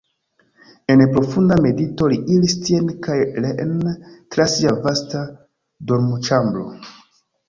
En profunda medito li iris tien kaj reen tra sia vasta dormoĉambro.